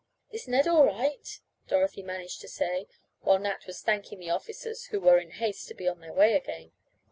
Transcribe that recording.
"Is Ned all right?" Dorothy managed to say, while Nat was thanking the officers who were in haste to be on their way again.